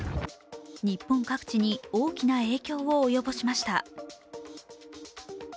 日本各地に大きな影響を及ぼしました。